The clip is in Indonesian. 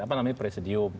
apa namanya presidium